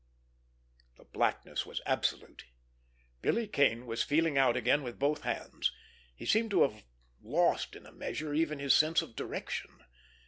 The blackness was absolute. Billy Kane was feeling out again with both hands. He seemed to have lost in a measure even his sense of direction.